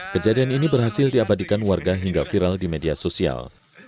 kejadian ini berhasil diabadikan warga hingga viral di media sosial